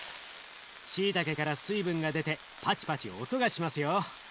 しいたけから水分が出てパチパチ音がしますよ。